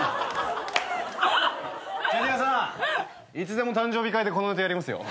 ジュニアさんいつでも誕生日会でこのネタやりますよ。